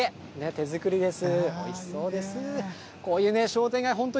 手作りです。